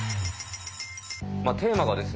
テーマがですね